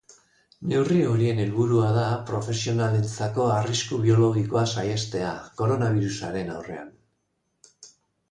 Neurri horien helburua da profesionalentzako arrisku biologikoa saihestea, koronabirusaren aurrean.